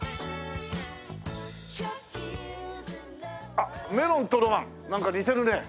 あっ「メロンとロマン」なんか似てるね。